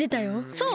そう！